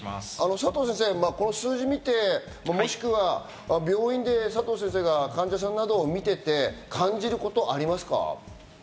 佐藤先生、この数字を見て、もしくは病院で佐藤先生が患者さんなどを見ていて感じることはありますか？